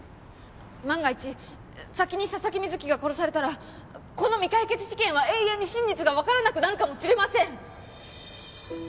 万が一先に佐々木瑞貴が殺されたらこの未解決事件は永遠に真実がわからなくなるかもしれません。